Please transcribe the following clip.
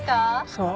そう。